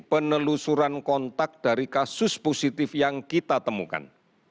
penelusuran kontak dari kasus positif yang kita temukan